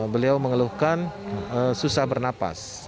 beliau mengeluhkan susah bernafas